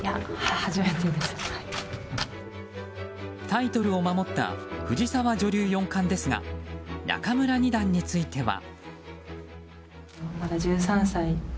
タイトルを守った藤沢女流四冠ですが仲邑二段については。